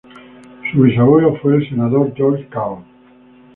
Su bisabuelo fue el senador George Cabot.